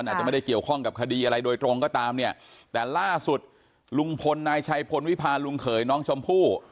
อาจจะไม่ได้เกี่ยวข้องกับคดีอะไรโดยตรงก็ตามเนี่ยแต่ล่าสุดลุงพลนายชัยพลวิพาลุงเขยน้องชมพู่